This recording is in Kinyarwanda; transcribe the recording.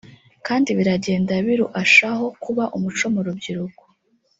Kandi biragenda biruashaho kuba umuco mu rubyiruko